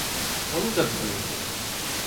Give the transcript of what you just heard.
Onu da biliyorum.